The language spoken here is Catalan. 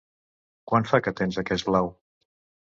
Quant fa que tens aquest blau?